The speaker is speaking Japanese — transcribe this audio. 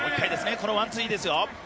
このワンツーですよ。